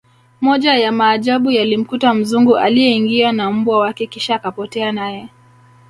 moja ya maajabu yalimkuta mzungu aliye ingia na mbwa wake kisha kapotea naye